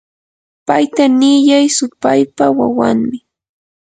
payta niyan supaypa wawanmi.